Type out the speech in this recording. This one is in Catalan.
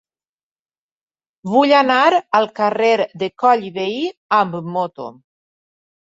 Vull anar al carrer de Coll i Vehí amb moto.